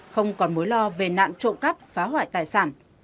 không còn mối lo về nạn trộm cắp phá hoại tài sản